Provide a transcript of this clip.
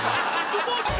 どうして？